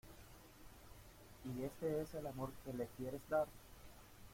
¿ y este es el amor que le quieres dar?